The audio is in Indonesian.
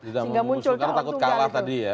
tidak mau mengusung karena takut kalah tadi ya